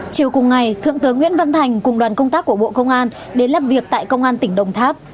chiều cùng ngày thượng tướng nguyễn văn thành cùng đoàn công tác của bộ công an đến làm việc tại công an tỉnh đồng tháp